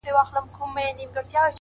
په دې ښار كي يې جوړ كړى يو ميدان وو،